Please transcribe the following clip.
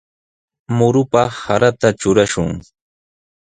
Murupaq sarata trurashun.